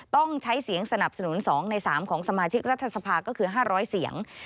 ต้องใช้เสียงสนับสนุน๒ใน๓ของสมาชิกรัฐสภาก็คือ๕๐๐เสียง